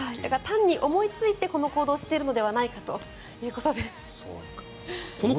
単に思いついてこの行動をしているのではないかということです。